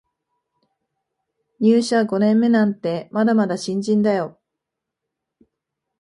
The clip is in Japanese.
入社五年目なんてまだまだ新人だよ